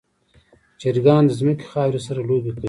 چرګان د ځمکې خاورې سره لوبې کوي.